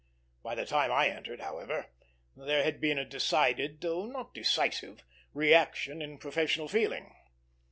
By the time I entered, however, there had been a decided, though not decisive, reaction in professional feeling.